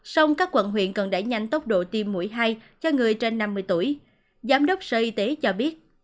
sông các quận huyện cần đẩy nhanh tốc độ tiêm mũi hai cho người trên năm mươi tuổi giám đốc sở y tế cho biết